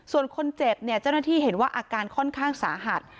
ส่วนคนเจ็บเนี่ยเจ้าหน้าที่เห็นว่าอาการค่อนข้างสาหัส